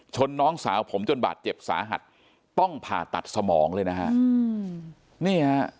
น้องสาวผมจนบาดเจ็บสาหัสต้องผ่าตัดสมองเลยนะฮะนี่ฮะ